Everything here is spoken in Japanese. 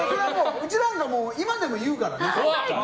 うちなんか、今でも言うからね。